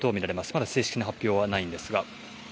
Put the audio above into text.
まだ正式な発表はないんですが。